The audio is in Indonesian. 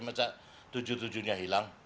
macam tujuh tujuhnya hilang